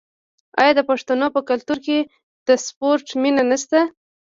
آیا د پښتنو په کلتور کې د سپورت مینه نشته؟